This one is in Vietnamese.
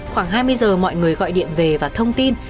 khoảng hai mươi giờ mọi người gọi điện về và thông tin